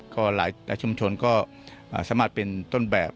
ก็หลายชุมชนก็สามารถเป็นต้นแบบ